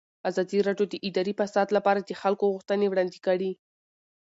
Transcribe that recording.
ازادي راډیو د اداري فساد لپاره د خلکو غوښتنې وړاندې کړي.